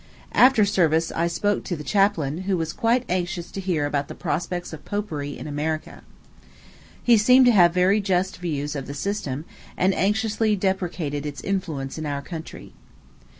After service I spoke to the chaplain, who was quite anxious to hear about the prospects of Popery in America. He seemed to have very just views of the system, and anxiously deprecated its influence in our Country.